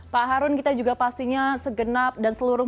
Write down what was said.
pak harun kita juga pastinya segenap dan seluruh